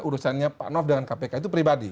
urusannya pak nof dengan kpk itu pribadi